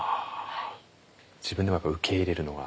自分では受け入れるのが。